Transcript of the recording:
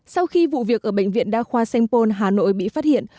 sau khi vụ việc ở bệnh viện đa khoa sengpon hà nội bị phát hiện